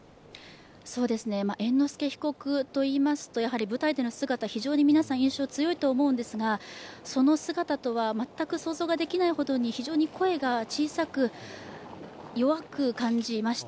猿之助被告といいますと、舞台での姿、非常に皆さん、印象が強いと思うんですがその姿とは全く想像ができないくらいに非常に声が小さく弱く感じました。